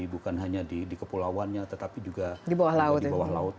bukan hanya di kepulauannya tetapi juga di bawah laut